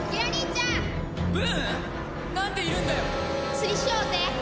釣りしようぜ！